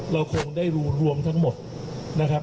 เราคงได้รู้รวมทั้งหมดนะครับ